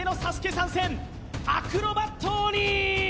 参戦アクロバット鬼！